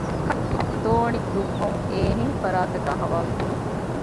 ކަށަވަރު ދޯނި ދުއްވުން އެހެން ފަރާތަކާއި ޙަވާލުކުރުން